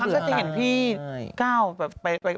แต่พรุ่งครั้งสักทีเห็นพี่ก้าว